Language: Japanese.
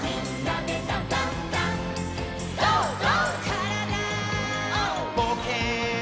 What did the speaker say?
「からだぼうけん」